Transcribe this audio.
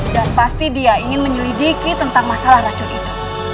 dan pasti dia ingin menyelidiki tentang masalah racun itu